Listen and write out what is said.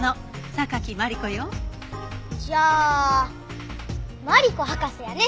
じゃあマリコ博士やね。